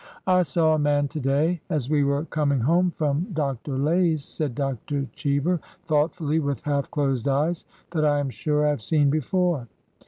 I saw a man to day, as we were coming home from Dr. Lay's," said Dr. Cheever, thoughtfully, with half closed eyes, " that I am sure I have seen before."